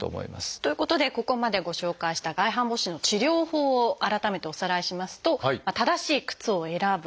ということでここまでご紹介した外反母趾の治療法を改めておさらいしますと正しい靴を選ぶ。